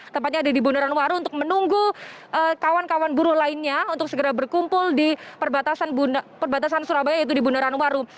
tempatnya ada di bundaran waru untuk menunggu kawan kawan buruh lainnya untuk segera berkumpul di perbatasan surabaya yaitu di bundaran waru